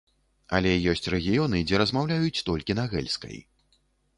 Але ёсць рэгіёны, дзе размаўляюць толькі на гэльскай.